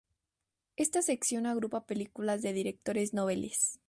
Esta sección agrupa películas de directores noveles.